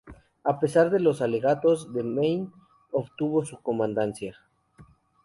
A pesar de los alegatos de Maine, obtuvo su comandancia.